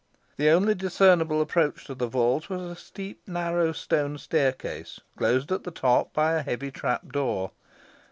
The only discernible approach to the vault was a steep narrow stone staircase, closed at the top by a heavy trapdoor.